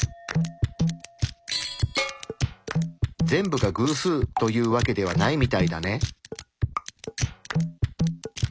全部が偶数というわけではないみたいだね。